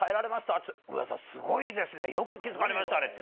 って言ったら、上田さん、すごいですね、よく気づかれましたねって。